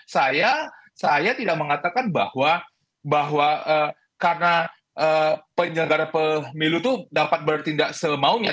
saya saya tidak mengatakan bahwa karena penyelenggara pemilu itu dapat bertindak semaunya